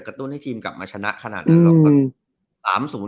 กระตุ้นให้ทีมกลับมาชนะขนาดนั้น